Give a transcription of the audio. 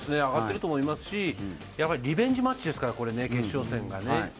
上がってると思いますしリベンジマッチですから、決勝戦が。